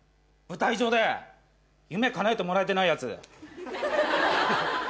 舞台上で夢かなえてもらえてないやつ。